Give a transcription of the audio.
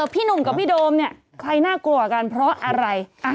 พี่หนุ่มกับพี่โดมเนี่ยใครน่ากลัวกันเพราะอะไร